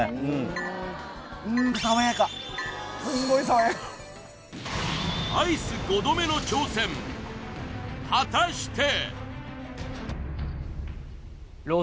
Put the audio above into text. これうんアイス５度目の挑戦果たして？